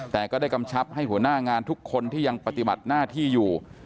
แต่ก็ได้กำชับให้หัวหน้างานทุกคนที่ยังปฏิบัติหน้าที่อยู่